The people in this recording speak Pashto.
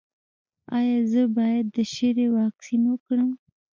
ایا زه باید د شري واکسین وکړم؟